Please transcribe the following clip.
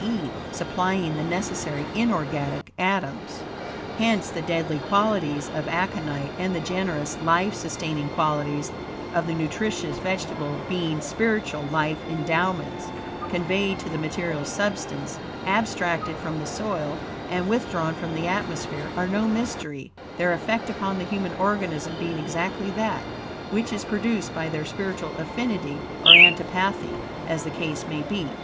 e., supplying the necessary inorganic atoms. Hence, the deadly qualities of aconite, and the generous life sustaining qualities of the nutritious vegetable, BEING SPIRITUAL LIFE ENDOWMENTS, conveyed to the material substance, abstracted from the soil and withdrawn from the atmosphere, are no mystery; their effect upon the human organism being exactly that, which is produced by their spiritual affinity or antipathy, as the case may be.